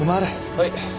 はい。